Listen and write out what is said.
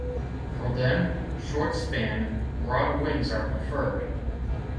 For them, short-span, broad wings are preferred.